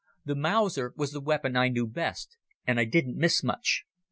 The Mauser was the weapon I knew best, and I didn't miss much.